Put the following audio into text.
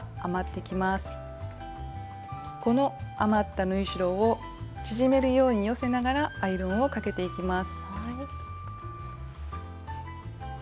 この余った縫い代を縮めるように寄せながらアイロンをかけていきます。